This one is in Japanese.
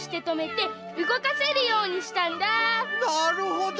なるほど！